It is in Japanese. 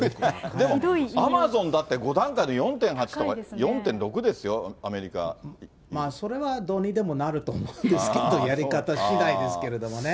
でもアマゾンだって５段階の４．８とか４．６ですよ、アメリそれはどうにでもなると思うんですけど、結構やり方しだいですけれどもね。